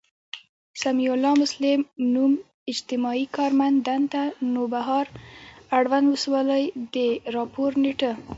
سمیع الله مسلم، نـــوم، اجتماعي کارمنددنــده، نوبهار، اړونــد ولسـوالـۍ، د راپــور نیــټه